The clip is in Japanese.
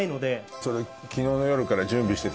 それ昨日の夜から準備してたの？